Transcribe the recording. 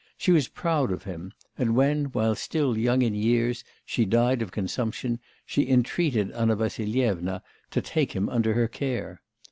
She was proud of him, and when, while still young in years, she died of consumption, she entreated Anna Vassilyevna to take him under her care.